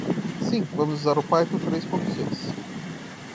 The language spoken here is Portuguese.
Sim, vamos usar o Python três pontos seis.